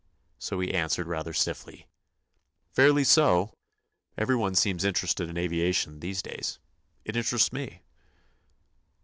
So he answered rather stiffly: "Fairly so. Everyone seems interested in aviation these days. It interests me."